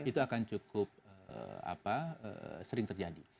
itu akan cukup sering terjadi